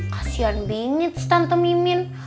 kasian bingit tante mimin